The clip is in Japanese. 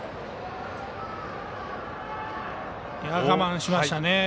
我慢しましたね。